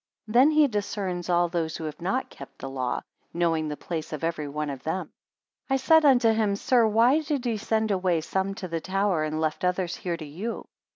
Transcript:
Then he discerns all those who have not kept the law, knowing the place of every one of them. 27 I said unto him, Sir, why did he send away some to the tower, and left others here to you?